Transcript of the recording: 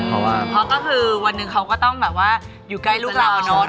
เพราะว่าเพราะก็คือวันหนึ่งเขาก็ต้องแบบว่าอยู่ใกล้ลูกเราเนอะ